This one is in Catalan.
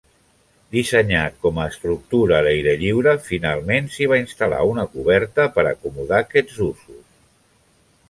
Dissenyat com a estructura a l'aire lliure, finalment s'hi va instal·lar una coberta per acomodar aquests usos.